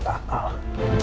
teror warga al